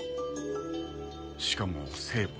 しかも聖母。